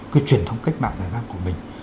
cái truyền thống cách mạng của mình